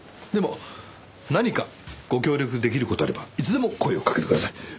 でも何かご協力出来る事があればいつでも声をかけてください。